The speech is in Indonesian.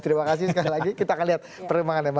sekali lagi kita akan lihat perkembangannya